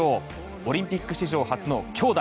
オリンピック史上初の兄妹